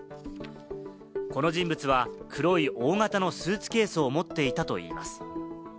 この人物は黒い大型のスーツケースを持っていたといいます。